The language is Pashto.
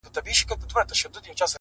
نو زه له تاسره،